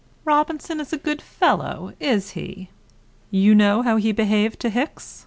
Robinson a good fellow, is he? You know how he behaved to Hicks?